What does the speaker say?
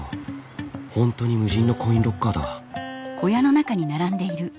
ほんとに無人のコインロッカーだ。